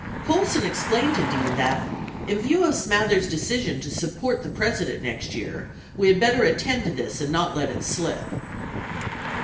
19 Colson explained to Dean that "in view of Smathers' decision to support, the President next year, we had better attend to this and not let it slip."